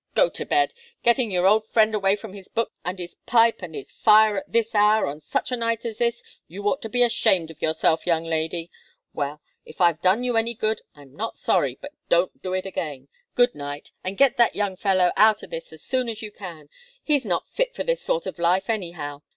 Go to bed! Getting your old friend away from his books and his pipe and his fire at this hour, on such a night as this! You ought to be ashamed of yourself, young lady! Well if I've done you any good, I'm not sorry but don't do it again. Good night and get that young fellow out of this as soon as you can. He's not fit for this sort of life, anyhow.